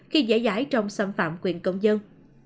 khi dễ dãi trong xâm phạm quyền công dân